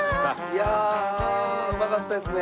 いやあうまかったですね。